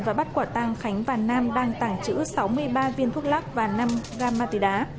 và bắt quả tăng khánh và nam đang tàng trữ sáu mươi ba viên thuốc lắc và năm gram ma túy đá